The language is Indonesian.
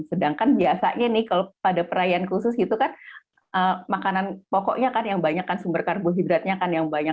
sedangkan biasanya nih kalau pada perayaan khusus gitu kan makanan pokoknya kan yang banyak kan sumber karbohidratnya kan yang banyak